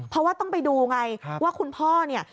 เพราะว่าต้องไปดูไงว่าคุณพ่อเนี่ย